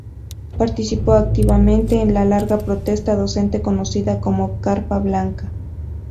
Participó activamente de la larga protesta docente conocida como Carpa Blanca.